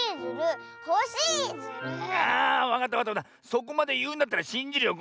そこまでいうんだったらしんじるよ。